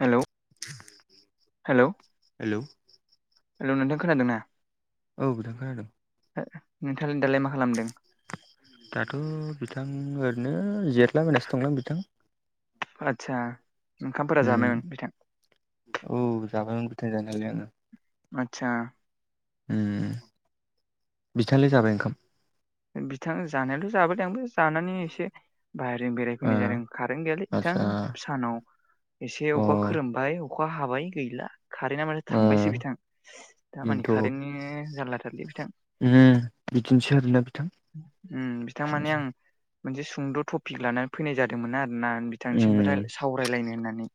हेल' hello hello hello नोंथां खोनादों ना? औ नोंथां खोनादों। नोंथांआलाय दालाय मा खालामदों? दाथ' बिथां ओरैनो जेरायलाबायनासो दंलां बिथां आदसा ओंखामफोरा उम जाबायमोन बिथां औ जाबायमोन बिथां जानाय आलाय आङो आतसा बिथाङालाय जाबाय ओंखाम? बिथां जानायाथ' जाबोदों आंबो जानानै एसे बाहेरजों ओ बेरायफैनाय जादों कारेन्ट गैयालै आदसा बिथां सानाव एसे अ अखा ओ खोरोमबाय अखा हाबाय गैला कारेन्टआ माथो थांबायसो बिथां दा मानि कारेन्टनि जानलाथारलै बिथां‌। ओम बिदिनोसै आरोना बिथां। ओम बिथां माने आं मोनसे सुंद' टपिक लानानै फैनाय जादोंमोन आरोना बिथांनिसिम ओम सावरायलायनो होननानै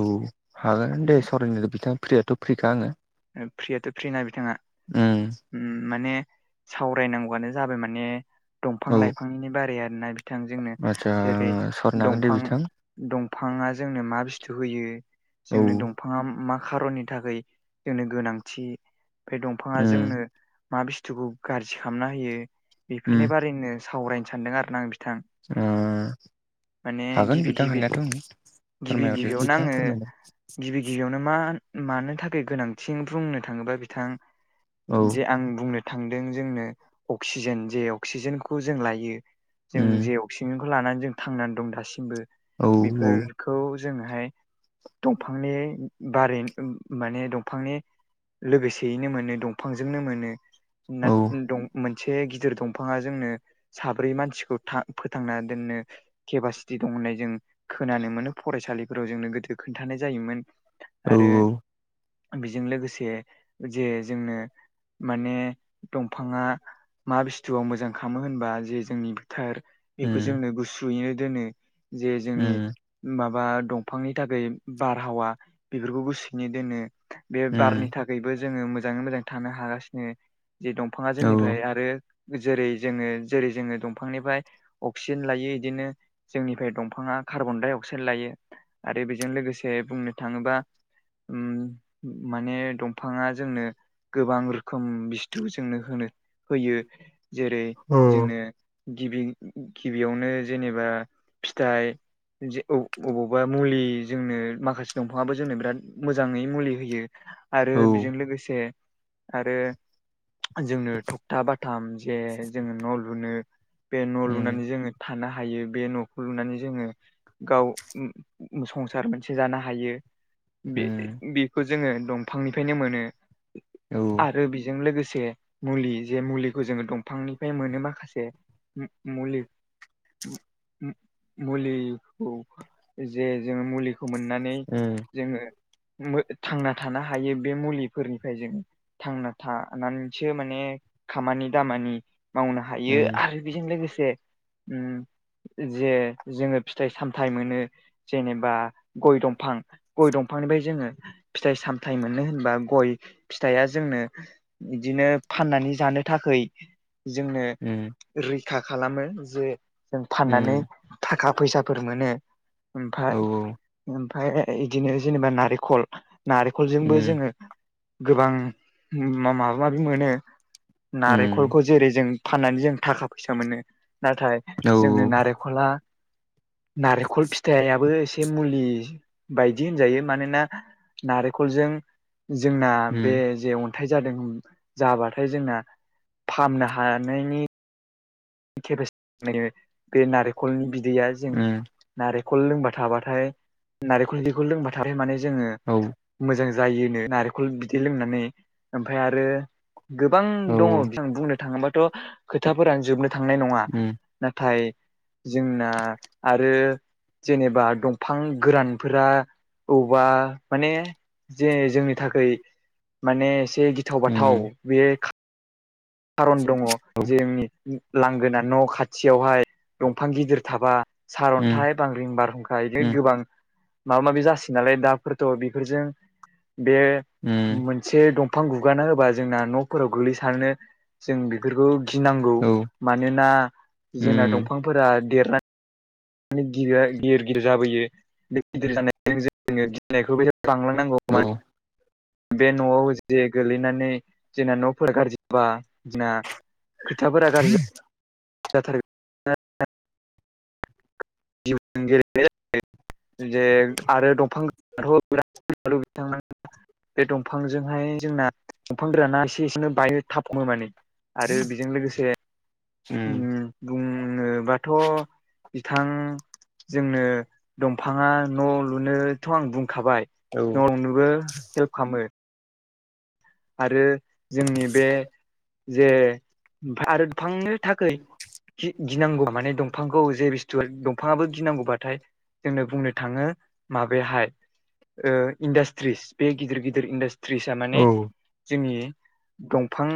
औ हागोन दे सावरायनो बिथां फ्रिथ' फ्रिखा आङो फ्रियाथ' फ्रि ना बिथाङा ओम ओम माने सावरायनांगौआनो जाबाय माने दंफां औ लाइफांनि बारै आरोना बि बिथांजोंनो आदसा जेरै सावरायनो हागोन दे दंफां बिथां दंफाङा जोंनो मा बस्थु होयो औ जोंनो दंफाङा मा खारननि थाखाय जोंनो गोनांथि बे दंफाङा उम जोंनो मा बुस्थुखौ गाज्रि खालामना होयो उम बेफोरनि बारैनो सावरायनो सानदों आरो ना आं बिथां। ओम माने हागोन गिबि बिथाङा गिबि हनायाथ' आं गिबि फोरमायहरदो गिबियावनो आङो बिथाङा फोरमायदों। गिबि गिबियावनो मा मानो थाखाय गोनांथि बुंनो थाङोबा बिथां औ जे आं बुंनो थांदों जोंनो अक्सिजेन जे अक्सिजेनखौ जों लायो। जों उम जे अक्सिजेनखौ लानानै जों थांनानै दं दासिमबो औ औ बेफोर खौ जोङोहाय दंफांनि बारै माने दंफांनि लोगोसेयैनो मोनो दंफांजोंनो मोनो ना औ दं मोनसे गिदिर दंफाङा जोंनो साब्रै मानसिखौ फोथांना दोननो केपासिटि दं होननाय जों खोनानो मोनो फरायसालिफोराव जोंनो गोदो खोन्थानाय जायोमोन आरो औ बेजों लोगोसे जे जोंनो माने दंफाङा मा बुस्थुआव मोजां खालामो होनबा जे जोंनि बोथार बेखौ उम जोंनो गुसुयैनो दोनो जे जोंनि उम माबा दंफांनि थाखाय बारहावा बेफोरखौ गुसनि दोनो। बे बारनि उम थाखायबो जोङो मोजाङै मोजां थानो हागासिनो जे दंफाङा औ जोंनिफ्राय आरो जेरै जोङो जेरै जोङो दंफांनिफ्राय अक्सिजेन लायो इदिनो जोंनिफ्राय दंफाङा कार्बन डाइ अक्साइड लायो आरो बेजों लोगोसे बुंनो थाङोबा ओम माने दंफाङा जोंनो गोबां रोखोम बस्थु जोंनो होनो होयो जेरै औ जोंनो गिबि गिबियावनो जेनेबा फिथाइ अबावबा मुलि जोंनो माखासे दंफाङाबो जोंनो बिराद मोजाङै मुलि होयो आरो बेजों उम लोगोसे आरो जोंनो थखथा बाथाम जे जोङो न' लुनो बे न' लुनानै जोङो थानो हायो बे न'खौ लुनानै जोङो गाव संसार मोनसे जानो हायो। बे उम बेखौ जोङो दंफांनिफ्रायनो मोनो। औ आरो बेजों लोगोसे मुलि जे मुलिखौ जोङो दंफांनिफ्राय मोनो माखासे। ओम मुलि मुलिखौ जे जोङो मुलि खौ मोननानै उम जोङो थांना थानो हायो बे मुलिफोरनिफ्राय जों थांना थानानैसो माने खामानि दामानि मावनो हायो उम आरो बेजों लोगोसे उम जे जोङो फिथाइ सामथाइ मोनो। जेनेबा गय दंफां गय दंफांनिफ्राय जोङो फिथाइ सामथाइ मोनो होनबा गय फिथाइया जोंनो बिदिनो फाननानै जानो थाखै जोंनो उम रैखा खालामो जे जों फाननानै उम थाखा फैसाफोर मोनो। औ उम औ उम औ ओमफाय उम ओमफ्राय बिदिनो जेनेबा नारेंखल नारेंखलजोंबो उम जोङो गोबां माबा माबि मोनो। औ उम नारेंखलखौ औ उम औ उम औ जेरै जों फाननानै जों थाखा फैसा मोनो नाथाय जोंनो उम नारेंखला नारेंखल फिथायाबो एसे मुलि बायदि होनजायो मानोना नारेंखलजों जोंना बे औ जे थाय जादों जाबाथाय जोंना फाहामनो हानायनि बे नारेंखलनि बिदैया जों नारेंखल लोंबा थाबाथाय नारेंखल बिदैखौ लोंबा थाबाथाय माने जोङो औ मोजां जायोनो नारेंखल बिदै लोंनानै ओमफफ्राय आरो गोबां दङ जं बुंनो थाङोबाथ' खोथाफोरानो जोबनो थांनाय नङा। नाथाय जोंना आरो जेनेबा दंफां गोरानफोरा अबेबा माने जे जोंनि थाखाय माने एसे गिथाव बाथाव बेयो खारन दङ जोंनि लांगोना न' खाथियावहाय दंफां गिदिर थाबा सारअन्थाइ बांग्रि बारहुंखा बिदि गोबां माबा माबि जासै नालाय दाफोरथ' बेफोरजों बे उम एसे दंफां गुगाना होबा जोंना न'फोराव गोग्लैसारनो जों बेफोरखौ गिनांगौ। मानोना जोंना दंफांफोरा देरनाय आरो गिदिरया गिदिर गिद जाबोयो बे गिदिर जानाय जोङो गिनायखौबो लांलांनांगौ। खैमोन बे न'आव जे गोल्लैनानै जोंना न'फोर गाज्रिबा जोंना। खोथाफोरा गाज्रि जाथारगोन। जिउछैह गेलेनाय जायो जे आरो दंफांथ' बिराद [unintelligible] बिथां बे दंफांजोंहाय जोंनाग दंफां गोराना एसे एसे बायो थाबफमो माने। आरो बेजों लोगोसे ओम बुङोबाथ' बिथां जोंनो दंफाङा न' लुनोथ' आं बुंखाबाय। न'नोबो हेल्प खालामो। आरो जोंनि बे जे आरोफांनो थाखाय गि- गिनांगौ माने दंफ फांखौ जे बिस्थु दंफाङाबो गिनांगौबाथाय जोंनो बुंनो थाङो माबेहाय ओ इन्डास्ट्रिस बे गिदिर गिदिर इन्डासट्रिसा माने जोंनि दंफां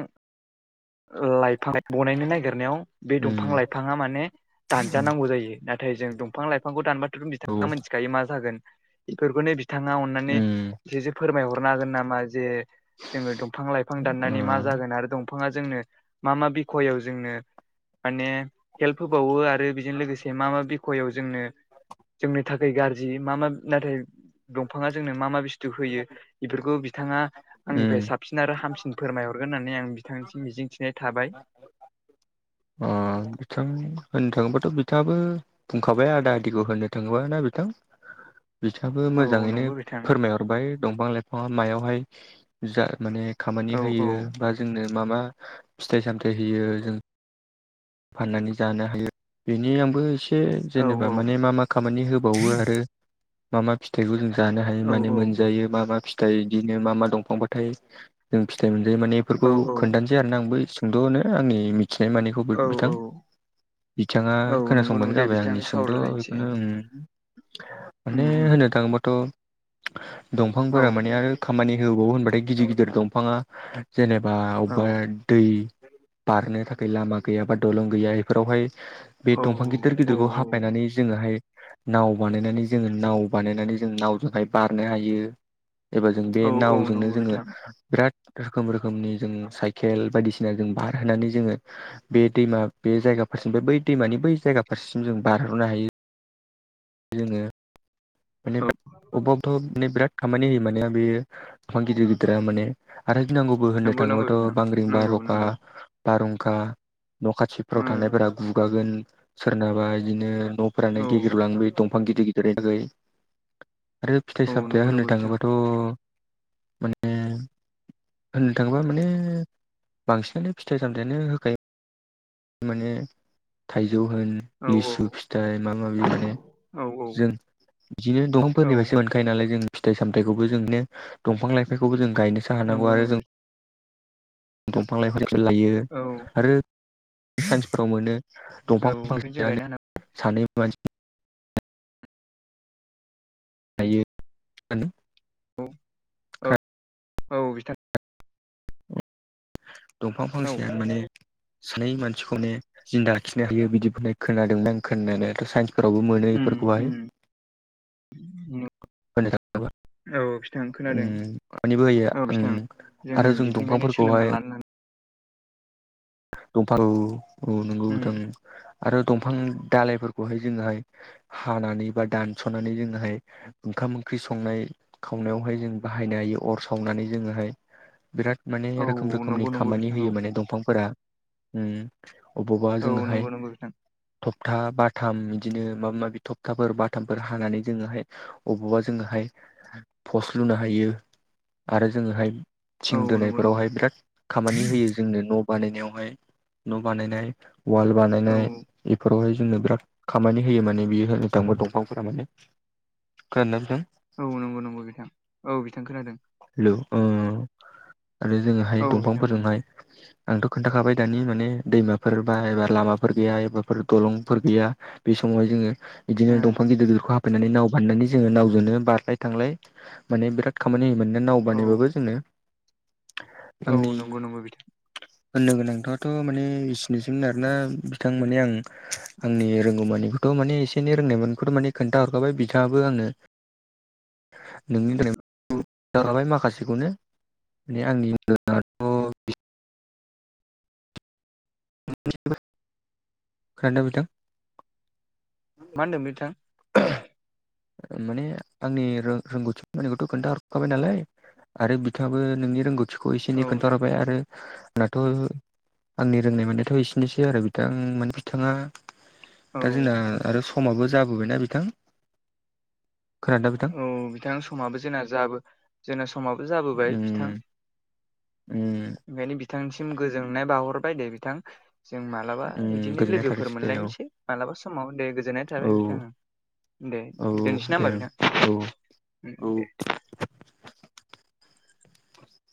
लाइफां बनायनो नागिरनायाव बे दंफां लाइफाङा माने दानजानांगौ जायो नाथाय जों दंफां लाइफांखौ दानबा बिथाङा ओ मिथिखायो मा जागोन बेफोरखौनो बिथाङा अननानै एसेसो फोरमायहरनो हागोन नामा जे जोङो दंफां लाइफां दाननानै मा जागोन आरो दंफाङा जोंनो मा मा बिखयायाव जोंनो माने हेल्प होबावो आरो बेजों लोगोसे मा मा बिखयायाव जोंनो जोंनो थाखाय गाज्रि मा मा नाथाय दंफाङा जोंनो मा मा बुस्थु होयो। बेफोरखौ बिथाङा उम आंनिफ्राय साब साबसिन आरो हामसिन फोरमायहरगोन होननानै आं बिथांनिसिम मिजिंथिनाय थाबाय। ओममंबिथां होननो थाङोबाथ' बिथाङाबो बुंखाबाय आदा आदिखौ होननो थाङोबा ना बिथां बिथाङाबो औ मोजाङैनो नंगौ बिथां फोरमायहर हरबाय दंफां लाइफाङा मायावहाय जा माने औ खामानि औ होयो बा जोंनो माबा फिथाइ सामथायाइ होयो जों फाननानै जानो हायो बेनि आंबो एसे एसे औ जेनेबा माने मा मा खामानि होबावो आरो मा मा फिथाइखौ जों जानो हायो औ माने मोनजायो मा मा फिथाइ फिथाइ बिदिनो मा मा दंफांबाथाय जों फिथाइ मोनजायो मान बेफोरखौ औ खोनथानो बेदि आंनि मिथिनाय मानि औ [unintelligible] औ बिथां बिथाङा औ नंगौ नंगौ खोनासंबानो दे जाबाय बिथां आंनि सुंद' सावरायलायनोसै बेखौनो ओम माने होननो थाङोबाथ' दंफांफोरा ओं माने आरो खामानि होबावो होनबाथाय गिदिर गिदिर दंफाङा जेनेबा ओ दै बारनो थाखाय लामा गैया बा दलं गैया बेफोरावहाय बे उम दंफां गिदिर उम गिदिरखौ हमफायनानै जोङोहाुय नाव बानायनानै जोङो नाव बानायनानै जों नावजोंहाय बारनो हायो एबा जों बे औ औ नावजोंनो नंगौ जोङो बिथां बिराद रोखोम रोखोमनि जों साय खेल बायदिसिना जों बारहोनानै जोङो बे दैमा बे जायगा फारसेनिफ्राय बै दैमानि बै जायगा फारसेसिम जों बारहरनो हायो जोङो माने औ [unintelligible] माने बिराद खामानि होयो माने बे दफां गिदिर गिदिरा माने आरो गिनांगौबो होननो नंगौ नंगौ थाङोबाथ' बिथां बांग्रिं नंगौ बारह'खा नंगौ बारहुंखा न' खाथिफोराव ओ थानायफोरा गुगागोन सोरनाबा इदिनो न'फोरानो औ गेग्रेलाङोबो।। दंफां गिदिर गिदिरनि थाखाय आरो औ फिथाइ सामथाइया नंगौ नंगौ होननो बिथां थाङोबाथ' माने होननो थाङोबा माने बांसिनानो फिथाइ सामथायानो होखायो। माने थाइजौ होन औ लिसु फिथाइ माबा माबि माने। औ औ जों बिदिनो औ दंफांफोरनिफ्रायसो मोनखायो नालाय जों फिथाइ सामथायखौबो जोंनो दंफां लाइफांखौबो जों गायनोसो हानांगौ नंगौ आरो नंगौ जों बिथां दंफां लाइफां [unintelligible] लायो औ आरो मानसिफोरनाव मोनो औ दंफां ओंखायनोसो फांसेयानो गायना होनांगोन सानै मानसि [unintelligible] औ औ बिथां दंफां औ फांसेआनो माने सानै मानसिखौनो जिन्दा लाखिनो हायो बिदिबो होननाय खोनादोंमोन आं खोनानायाथ' साइन्स फोरावबो मोनो उम इफोरखौहाय उम [unintelligible] औ बिथां उम खोनादों [unintelligible] होयो औ उम बिथां आरो जोङो जों बेफोरनिफ्रायनो सोलोंना दंफांफोरखौहाय लानो दंफां औ नंगौ उम नोंथां औ आरो दंफां दालाइफोरखौहाय जोङोहाय हानानै बा दानस'नानै जोङोहाय ओंखाम ओंख्रि संनाय खावनायावहाय जों बाहायनो हायो अर सावनानै जोङोहाय बिराद माने औ रोखोम रोखोमनि नंगौ नंगौ खामानि बिथां औ होयो माने दंफांफोरा उम अबावबा औ नंगौ जोङोहाय नंगौ बिथां थक्था बाथाम इदिनो माबा माबि थक्थाफोर बाथामफोर हानानै जोङोहाय अबावबा जोङोहाय फस लुनो हायो आरो जोङोहाय थिं औ नंगौ नंगौ दोनायफोरावहाय बिराद खामानि होयो जोंनो न' बानायनायाव न' बानायनाय वाल औ बानायनाय इफोरावहाय जोंनो बिराद खामानि होयो माने बियो होननो थाङोबा [unintelligible] दंफांफोरा माने खोनादों ना बिथां औ नंगौ नंगौ बिथां औ बिथां खोनादों हेलौ ओ आरो जोङोहाय औ बिथां दंफांफोरजोंहाय आंथ' खोन्थाखाबाय दानि माने दैमाफोर बा एबा लामाफोर गैया एबाफोर दलंफोर गैया बे समावहाय जोङो बिदिनो दंफां गिदिर गिदिरखौ हाफायनानै नाव बानायनानै जोङो नावजोंनो बारलाय थांलाय माने बिराद खामानि होयो मोननो नाव ओ, बानायबाबो जोङो औ नंगौ नंगौ बिथ होननो गोनांथ'आथ' माने इसेनिसै आरोना बिथां माने आं आंनि रोंगौ मानिखौथ' माने एसे एनै रोंनायमोनखौथ' माने खोन्था हरखाबाय बिथाङाबो आंनो [inaudible] नोंनि [unintelligible] जाय मा माखासेखौनो माने आंनि खोनादों ना नोंथां? मा होन्दों बिथां? माने आंनि रोंगौथि मानिखौथ' खोन्थाहरखाबाय नालाय आरो बिथाङाबो नोंनि रोंगौथिखौ एसे एनै औ बिथां खोन्थाहोबाय आरो आंनाथ' आंनि रोंनाय मोननायाथ' एसेनोसै आरो बिथां मान बिथाङा औ दा जोंना आरो समाबो जाबोबायना बिथां? खोनादोंना बिथां औ बिथां समाबो जोंना जाबो जोंना समाबो जाबोबाय उम बिथां? उम ओंखायनो बिथांनिसिम गोजोननाय बाहरबाय दे बिथां? जों मालाबा उम बिदिनो गोजोननाय लोगोफोर थाथोंसै दे औ मोनलायनोसै मालाबा समाव दे गोजोननाय थाबाय औ बिथाङा। दे औ दोनैसै ना दे बिथां औ बेना औ दे।